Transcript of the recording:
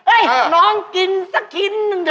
เอ้ยน้องกินสักขิ้นหนึ่งเถอะ